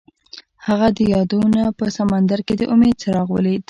هغه د یادونه په سمندر کې د امید څراغ ولید.